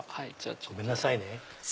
ごめんなさいね。